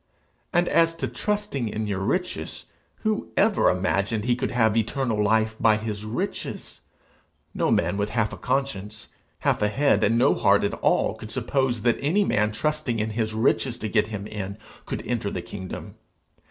And as to trusting in your riches who ever imagined he could have eternal life by his riches? No man with half a conscience, half a head, and no heart at all, could suppose that any man trusting in his riches to get him in, could enter the kingdom.